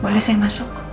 boleh saya masuk